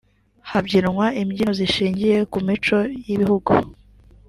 habyinwa imbyino zishingiye ku mico y’ibihugu